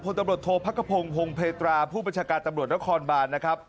ตำรวจโทษพักกระพงพงศ์เพตราผู้บัญชาการตำรวจนครบานนะครับ